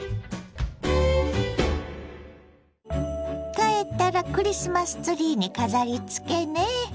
帰ったらクリスマスツリーに飾りつけね。